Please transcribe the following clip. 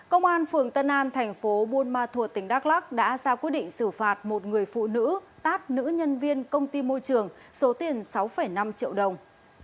công an phường tân an thành phố buôn ma thuột tỉnh đắk lắc đã ra quyết định xử phạt một người phụ nữ tát nữ nhân viên công ty môi trường số tiền sáu năm triệu đồng